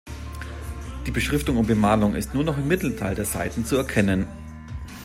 Die Beschriftung und Bemalung ist nur noch im Mittelteil der Seiten zu erkennen.